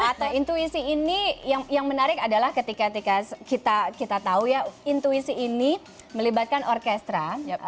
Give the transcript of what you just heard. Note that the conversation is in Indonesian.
atau intuisi ini yang menarik adalah ketika kita tahu ya intuisi ini melibatkan orkestra